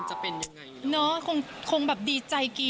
จะเป็นยังไง